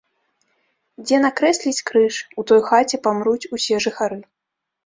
Дзе накрэсліць крыж, у той хаце памруць усе жыхары.